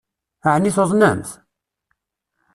Ɛni tuḍnemt?